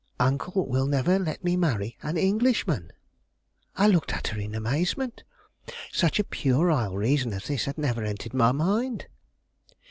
Uncle will never let me marry an Englishman." I looked at her in amazement. Such a puerile reason as this had never entered my mind.